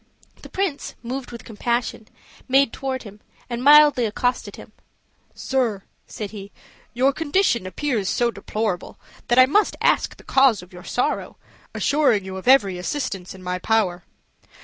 The prince, moved with compassion, made toward him, and mildly accosted him. "Sir," said he, "your condition appears so deplorable that I must ask the cause of your sorrow, assuring you of every assistance in my power."